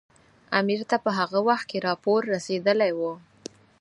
امیر ته په هغه وخت کې راپور رسېدلی وو.